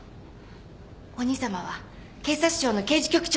お兄さまは警察庁の刑事局長ですし。